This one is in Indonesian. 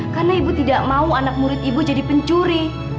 karena ibu tidak mau anak murid ibu jadi pencuri